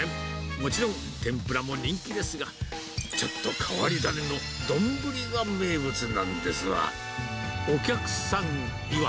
もちろん、天ぷらも人気ですが、ちょっと変わり種の丼が名物なんですわ。